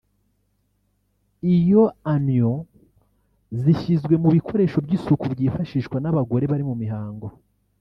Iyo anions zishyizwe mu bikoresho by’isuku byifashishwa n’abagore bari mu mihango